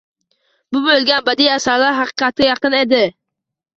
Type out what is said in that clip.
Bu bo‘lgan badiiy asarlar haqiqatga yaqin edi.